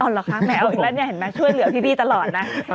ตอนเหรอคะแมวอีกแล้วนี่เห็นไหมช่วยเหลือพี่ตลอดนะ